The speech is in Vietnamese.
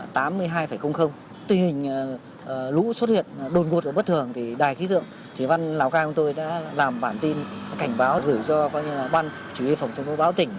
tình hình lũ xuất hiện đột ngột ở bất thường thì đài khí tượng thủy văn lào cai của tôi đã làm bản tin cảnh báo gửi cho ban chủ yếu phòng trung quốc báo tỉnh